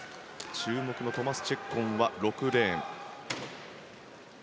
注目のトマス・チェッコンは６レーン。